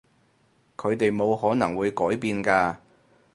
佢哋冇可能會改變㗎